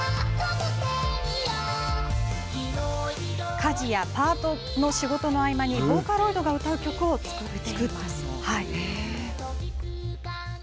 家事やパートの仕事の合間にボーカロイドが歌う曲を作っています。